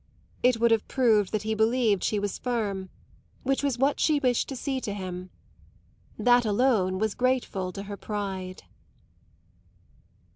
It would have proved that he believed she was firm which was what she wished to seem to him. That alone was grateful to her pride.